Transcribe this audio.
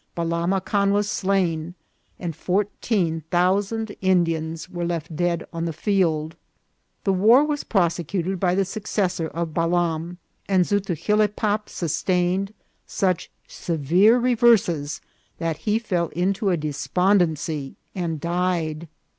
Balam Acan was slain, and fourteen thousand Indians were left dead on the field. The war was prosecuted by the successor of Balam, and Zutugilebpop sustained such severe reverses that he fell into a despondency and died.